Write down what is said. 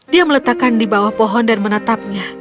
dia meletakkan di bawah pohon dan menetapnya